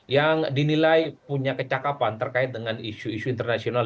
yang dinilai punya kecakapan terkait dengan isu isu internasional